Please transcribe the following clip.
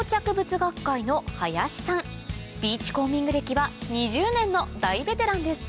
ビーチコーミング歴は２０年の大ベテランです